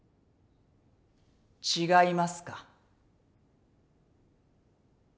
違いますか？